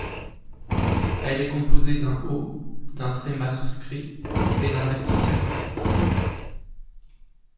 Elle est composée d’un O, d’un tréma souscrit et d’un accent circonflexe.